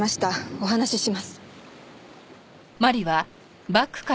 お話しします。